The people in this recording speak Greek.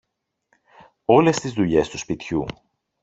Όλες τις δουλειές του σπιτιού.